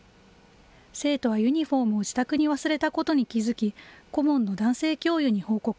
生徒はユニホームを自宅に忘れたことに気付き、顧問の男性教諭に報告。